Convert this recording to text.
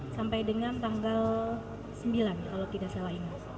sampai dengan tanggal sembilan kalau tidak salah ingat